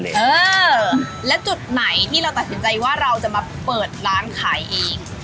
เออและจุดไหนที่เราตัดสินใจว่าเราจะมาเปิดร้านขายเอง